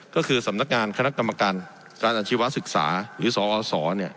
ก็คือสำนักงานคณะกรรมการการอาชีวศึกษาหรือสอส